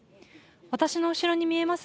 私の後ろに見えます